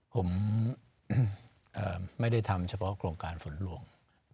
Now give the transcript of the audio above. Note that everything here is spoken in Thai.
ผมไม่ได้ทำเฉพาะโครงการฝนหลวง